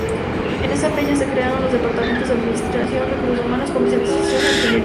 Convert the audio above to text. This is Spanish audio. En esa fecha se crearon los departamentos de administración, recursos humanos, comercialización e ingeniería.